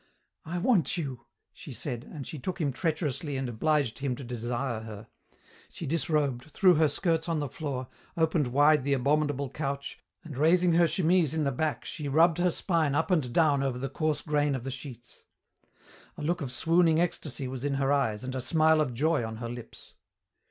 "I want you," she said, and she took him treacherously and obliged him to desire her. She disrobed, threw her skirts on the floor, opened wide the abominable couch, and raising her chemise in the back she rubbed her spine up and down over the coarse grain of the sheets. A look of swooning ecstasy was in her eyes and a smile of joy on her lips.